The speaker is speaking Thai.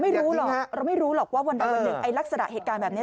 เราไม่รู้หรอกว่าวันหนึ่งลักษณะเหตุการณ์แบบนี้